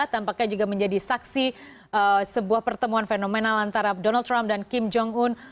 tampaknya juga menjadi saksi sebuah pertemuan fenomenal antara donald trump dan kim jong un